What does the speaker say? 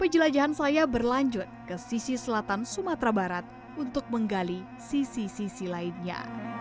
penjelajahan saya berlanjut ke sisi selatan sumatera barat untuk menggali sisi sisi lainnya